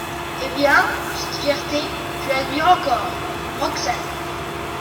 Eh bien, pour cette fierté, je l'admire encore ! ROXANE.